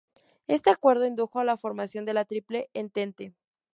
Este acuerdo indujo a la formación de la Triple Entente.